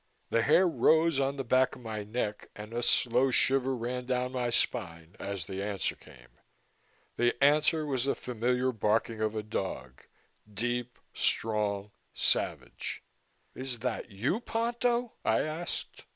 The hair rose on the back of my neck and a slow shiver ran down my spine as the answer came. The answer was the familiar barking of a dog deep, strong, savage. "Is that you, Ponto?" I asked.